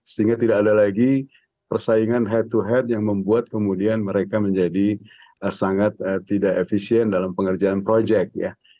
sehingga tidak ada lagi persaingan head to head yang membuat kemudian mereka menjadi sangat tidak efisien dalam pengerjaan proyek ya